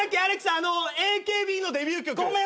あのＡＫＢのデビュー曲。ごめん。